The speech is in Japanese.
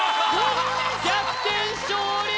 逆転勝利